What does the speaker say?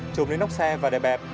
trộm lên nóc xe và đè bẹp